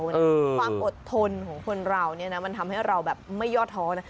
ความอดทนของคนเรามันทำให้เราไม่ยอดท้อน